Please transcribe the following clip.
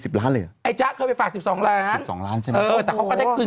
ซั่งแฮเน่